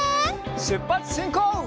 しゅっぱつしんこう！